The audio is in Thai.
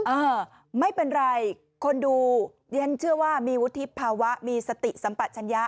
เออไม่เป็นไรคนดูเรียนเชื่อว่ามีวุฒิภาวะมีสติสัมปัชญะ